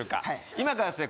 今からですね